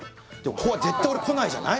ここは絶対俺来ないじゃない？